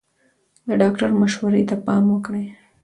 د ډاکټر مشورې ته پام وکړئ.